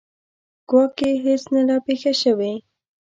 ګواکې هیڅ نه ده پېښه شوې.